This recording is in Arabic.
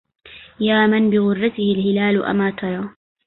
يا من بغرته الهلال أما ترى